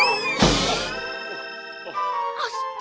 aduh aduh aduh